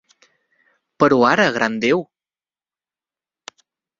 Però ara, gran Déu!